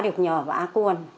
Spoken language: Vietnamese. đã được nhờ vã cuồn